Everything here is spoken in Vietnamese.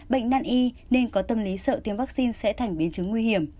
bệnh nan y nên có tâm lý sợ tiêm vaccine sẽ thành biến chứng nguy hiểm